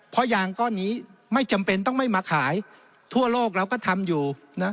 เพราะยางก้อนนี้ไม่จำเป็นต้องไม่มาขายทั่วโลกเราก็ทำอยู่นะ